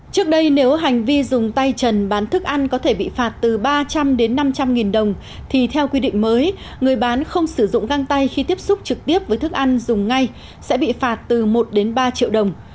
trước đây nếu hành vi dùng tay trần bán thức ăn có thể bị phạt từ ba trăm linh đến năm trăm linh nghìn đồng thì theo quy định mới người bán không sử dụng găng tay khi tiếp xúc trực tiếp với thức ăn dùng ngay sẽ bị phạt từ một đến ba triệu đồng